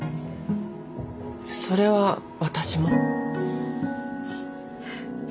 それは私も。